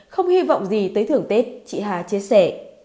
không hy vọng gì tới thưởng tết chị hà chia sẻ